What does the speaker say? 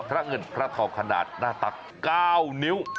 พระเงินพระทองขนาดหน้าตัก๙นิ้ว